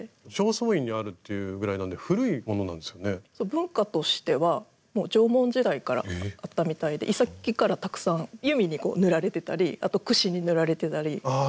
文化としてはもう縄文時代からあったみたいで遺跡からたくさん弓に塗られてたりあと櫛に塗られてたり。